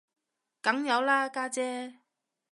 梗有啦家姐